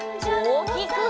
おおきく！